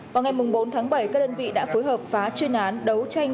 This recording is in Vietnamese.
vào ngày bốn tháng bảy các đơn vị đã phối hợp phá chuyên án đấu tranh